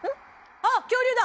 あっ恐竜だ！